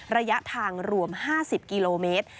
ระยะทางรวม๕๐กิโลเมตร